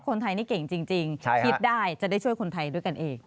คนไทยนี่เก่งจริงคิดได้จะได้ช่วยคนไทยด้วยกันเอง